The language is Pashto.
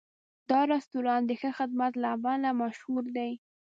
دا رستورانت د ښه خدمت له امله مشهور دی.